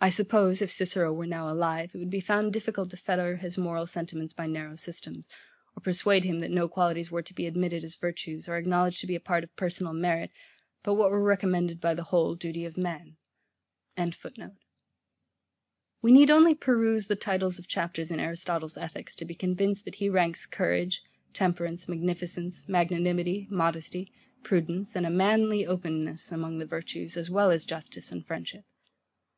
I suppose, if Cicero were now alive, it would be found difficult to fetter his moral sentiments by narrow systems; or persuade him, that no qualities were to be admitted as virtues, or acknowledged to be a part of PERSONAL MERIT, but what were recommended by The Whole Duty of Man.] We need only peruse the titles of chapters in Aristotle's Ethics to be convinced that he ranks courage, temperance, magnificence, magnanimity, modesty, prudence, and a manly openness, among the virtues, as well as justice and friendship.